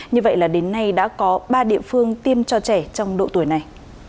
như vậy là đến nay đã có ba địa phương tiêm cho trẻ trong độ tuổi này